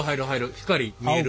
光見える。